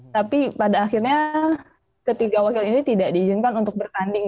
tapi pada akhirnya ketiga wakil ini tidak diizinkan untuk bertanding